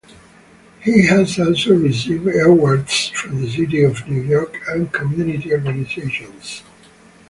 He has also received awards from the City of New York and community organizations.